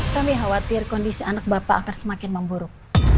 kami khawatir kondisi anak bapak akan semakin memburuk